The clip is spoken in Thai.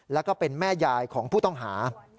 แล้วก็เป็นแม่ยายของผู้ต้องหา